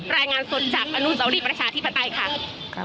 รายงานสดจากอนุสาวรีประชาธิปไตยค่ะ